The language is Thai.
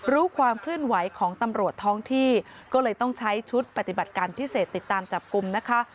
รู้ความเคลื่อนไหวของตำรวจท้องที่ก็เลยต้องใช้ชุดปฏิบัติการพิเศษติดตามจับกลุ่มนะคะ